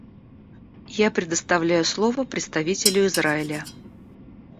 Я предоставляю слово представителю Израиля.